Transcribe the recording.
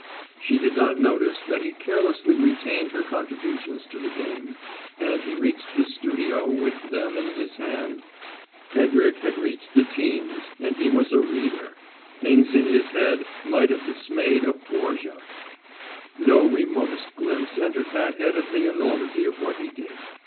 She did not notice that he carelessly retained her contributions to the game, and he reached his studio with them in his hand. Hedrick had entered the 'teens and he was a reader: things in his head might have dismayed a Borgia. No remotest glimpse entered that head of the enormity of what he did.